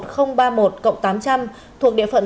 cộng tám trăm linh thuộc địa phận